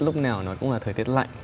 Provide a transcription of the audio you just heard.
lúc nào nó cũng là thời tiết lạnh